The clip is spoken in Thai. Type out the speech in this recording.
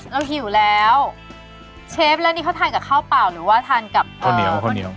หิวแล้วเชฟแล้วนี่เขาทานกับข้าวเปล่าหรือว่าทานกับข้าวเหนียวข้าวเหนียว